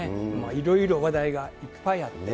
いろいろ話題がいっぱいあって。